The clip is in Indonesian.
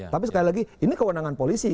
tapi sekali lagi ini kewenangan polisi